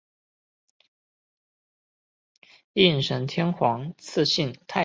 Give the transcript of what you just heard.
应神天皇赐姓太秦氏。